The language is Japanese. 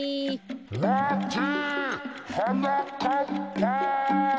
まてはなかっぱ！